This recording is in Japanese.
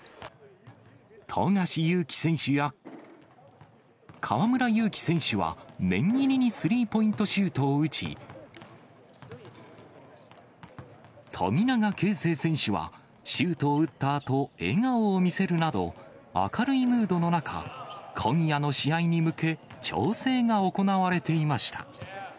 富樫勇樹選手や河村勇輝選手は念入りにスリーポイントシュートを打ち、富永啓生選手はシュートを打ったあと、笑顔を見せるなど、明るいムードの中、今夜の試合に向け、調整が行われていました。